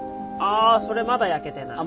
あそれまだ焼けてない。